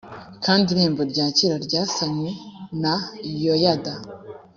kandi irembo rya kera ryasanwe na yoyada